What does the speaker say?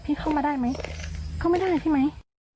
เข้ามาได้ไหมเข้าไม่ได้พี่ไหม